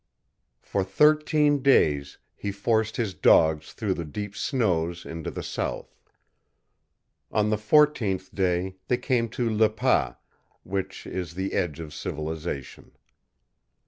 For thirteen days he forced his dogs through the deep snows into the south. On the fourteenth they came to Le Pas, which is the edge of civilization.